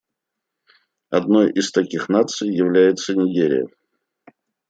Одной из таких наций является Нигерия.